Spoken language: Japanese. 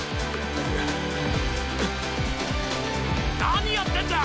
何やってんだ！